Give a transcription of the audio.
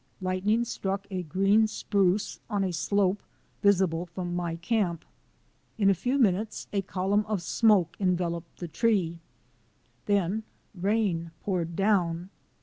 Lightning struck a green spruce on a slope visible from my camp. In a few minutes a column of smoke enveloped the tree. Then rain poured down.